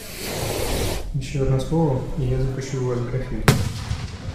Еще одно слово - и я запущу в Вас графином.